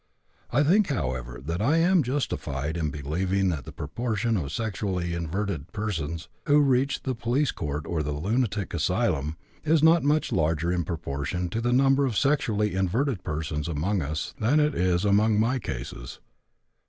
I think, however, that I am justified in believing that the proportion of sexually inverted persons who reach the police court or the lunatic asylum is not much larger in proportion to the number of sexually inverted persons among us than it is among my cases.